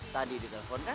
tadi ditelepon kan